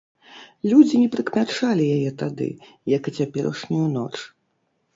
Людзі не прыкмячалі яе тады, як і цяперашнюю ноч.